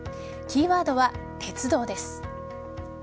キーワードは鉄道です。